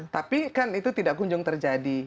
tapi kan itu tidak kunjung terjadi